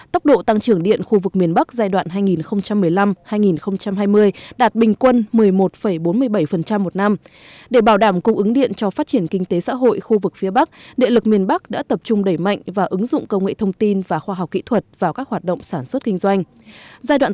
tổng công ty điện lực miền bắc thực hiện trong giai đoạn hai nghìn một mươi năm hai nghìn hai mươi